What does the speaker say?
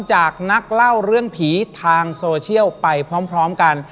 จากนักเล่าเรื่องผีทางโซเชียลไปพร้อมกัน